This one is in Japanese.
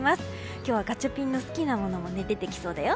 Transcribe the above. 今日はガチャピンの好きなものも出てきそうだよ。